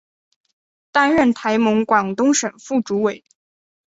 担任台盟广东省副主委。